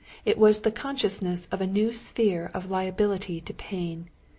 It was the consciousness of a new sphere of liability to pain.